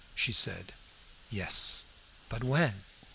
she said. "Yes." "But when?"